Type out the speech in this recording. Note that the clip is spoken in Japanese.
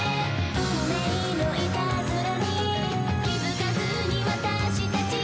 「運命のいたずらに気づかずにわたしたち」